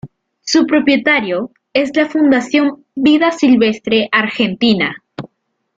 Su propietario es la Fundación Vida Silvestre Argentina.